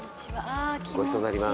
ごちそうになります。